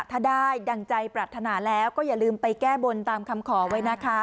ถ้าได้ดังใจปรัฐนาแล้วก็อย่าลืมไปแก้บนตามคำขอไว้นะคะ